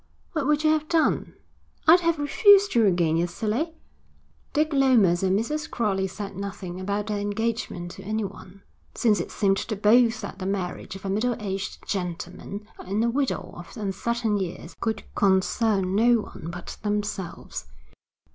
'What would you have done?' 'I'd have refused you again, you silly.' Dick Lomas and Mrs. Crowley said nothing about their engagement to anyone, since it seemed to both that the marriage of a middle aged gentleman and a widow of uncertain years could concern no one but themselves.